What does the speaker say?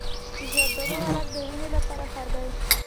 د زردالو خوراک د وینې لپاره ښه دی.